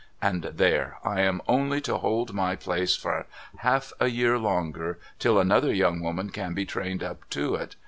And there ! I am only to hold my place for half a year longer, till another young woman can be trained up to it.